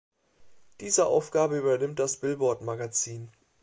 Diese Aufgabe übernimmt das Billboard-Magazin.